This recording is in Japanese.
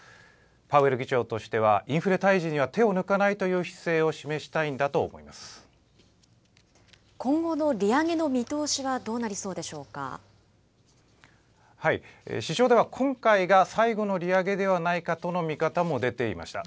パウエル議長としてはインフレ退治には手を抜かないという姿勢を今後の利上げの見通しはどう市場では今回が最後の利上げではないかとの見方も出ていました。